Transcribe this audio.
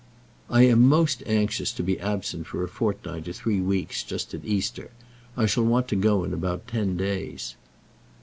"I am most anxious to be absent for a fortnight or three weeks, just at Easter. I shall want to go in about ten days."